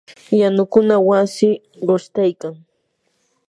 yanukuna wasi qushtaykan.